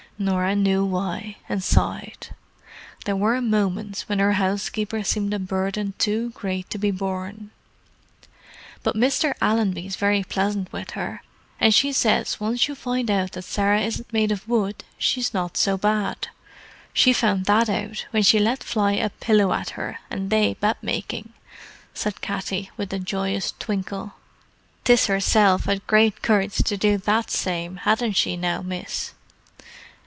Norah knew why, and sighed. There were moments when her housekeeper seemed a burden too great to be borne. "But Mr. Allenby's very pleasant with her, and she says wance you find out that Sarah isn't made of wood she's not so bad. She found that out when she let fly a pillow at her, and they bedmaking," said Katty, with a joyous twinkle. "'Tis herself had great courage to do that same, hadn't she, now, miss?"